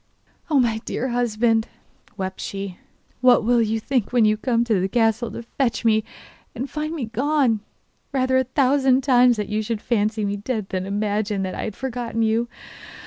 'Oh, my dear husband,' wept she, 'what will you think when you come to the castle to fetch me and find me gone? Rather a thousand times that you should fancy me dead than imagine that I had forgotten you!